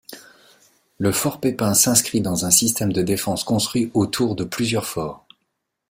Le fort Pépin s'inscrit dans un système de défense construit autours de plusieurs forts.